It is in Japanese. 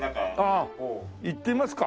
ああ行ってみますか。